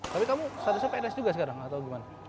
tapi kamu statusnya pns juga sekarang atau gimana